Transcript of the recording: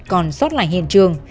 còn xót lại hiện trường